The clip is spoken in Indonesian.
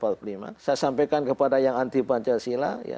saya sampaikan kepada yang anti pancasila